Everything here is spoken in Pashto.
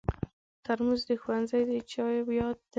ترموز د ښوونځي د چایو یاد دی.